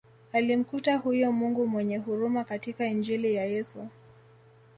Alimkuta huyo Mungu mwenye huruma katika Injili ya Yesu